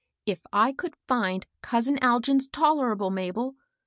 ♦* If 1 could fitd cousin Algin's tolerable, Mabel.